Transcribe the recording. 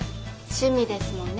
趣味ですもんね